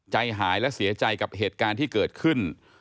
ใจหายและเสียใจกับเหตุการณ์ที่เกิดขึ้น